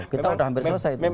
kita sudah hampir selesai